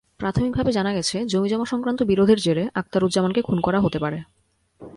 প্রাথমিকভাবে জানা গেছে, জমিজমাসংক্রান্ত বিরোধের জেরে আখতারুজ্জামানকে খুন করা হতে পারে।